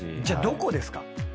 じゃあどこですか？